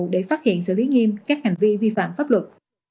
để phát hiện xử lý nghiêm các hành vi vi phạm pháp luật